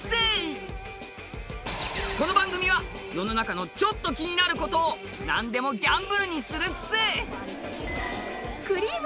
この番組は世の中のちょっと気になる事をなんでもギャンブルにするっす！